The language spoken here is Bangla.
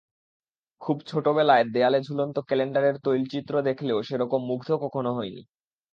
খুব ছোটবেলায় দেয়ালে ঝুলন্ত ক্যালেন্ডারের তৈলচিত্র দেখলেও সেরকম মুগ্ধ কখনো হইনি।